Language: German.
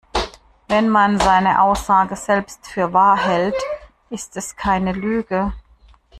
Wenn man seine Aussage selbst für wahr hält, ist es keine Lüge.